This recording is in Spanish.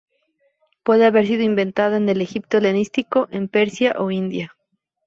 Puede haber sido inventada en el Egipto helenístico, en Persia o India.